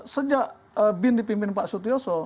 sejak bin dipimpin pak sutioso